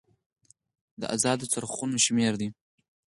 د ازادو څرخونو شمیر دی.